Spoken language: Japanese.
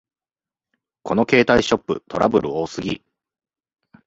この携帯ショップ、トラブル多すぎ